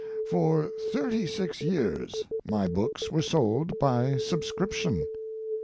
For thirty six years my books were sold by subscription.